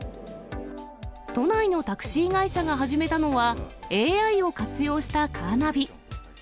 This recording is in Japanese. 都内のタクシー会社が始めたのは、ＡＩを活用したカーナビ。